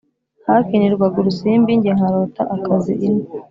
hakinirwaga urusimbi njye nkarota akazi ino